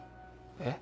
えっ？